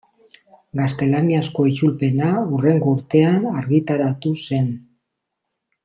Gaztelaniazko itzulpena hurrengo urtean argitaratu zen.